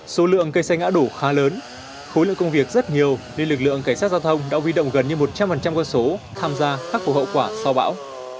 số lượng cây xanh ngã đổ khá lớn khối lượng công việc rất nhiều nên lực lượng cảnh sát giao thông đã huy động gần như một trăm linh quân số tham gia khắc phục hậu quả sau bão